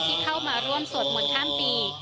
ที่เข้ามาร่วมสวดมนต์ข้ามปี